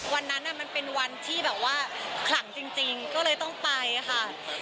วันนั้นมันเป็นวันที่แบบว่าขลังจริงก็เลยต้องไปค่ะ